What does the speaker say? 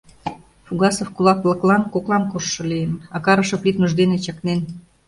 Фугасов кулак-влаклан коклам коштшо лийын, а Карышев лӱдмыж дене чакнен.